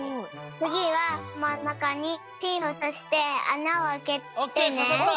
つぎはまんなかにピンをさしてあなをあけてね。